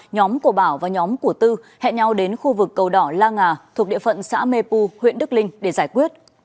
nhóm của bảo và nhóm của tư hẹn nhau đến khu vực cầu đỏ la nga thuộc địa phận xã mê pu huyện đức linh để giải quyết